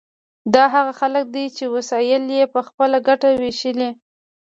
دا هغه خلک دي چې وسایل یې په خپله ګټه ویشلي.